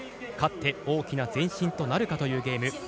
勝って大きな前進となるかというゲーム。